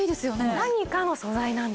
何かの素材なんです。